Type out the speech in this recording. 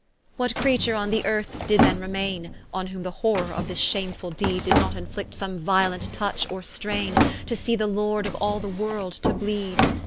¶ What creature on the earth did then remaine, On whom the horror of this shamefull deed Did not inflict some violent touch, or straine, To see the Lord of all the world to bleed?